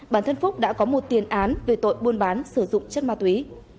bản thân phúc đã có một tiền án về tội buôn bán sử dụng chất ma túy